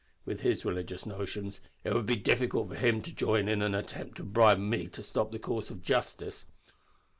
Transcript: With his religious notions, it would be difficult for him to join in an attempt to bribe me to stop the course of justice."